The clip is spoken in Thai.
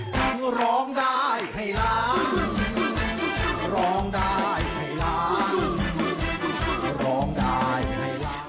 สวัสดีครับ